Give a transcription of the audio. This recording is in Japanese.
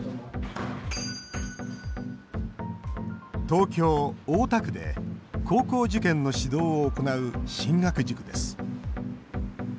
東京・大田区で高校受験の指導を行う進学塾です。